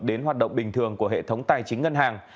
đến hoạt động bình thường của hệ thống tài chính ngân hàng